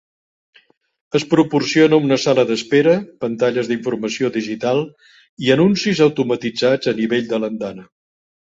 Es proporciona una sala d'espera, pantalles d'informació digital i anuncis automatitzats a nivell de l'andana.